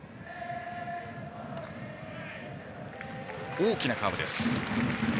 大きなカーブです。